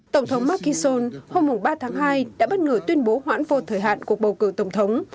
tổng thống makison hôm ba tháng hai đã bất ngờ tuyên bố hoãn vô thời hạn cuộc bầu cử tổng thống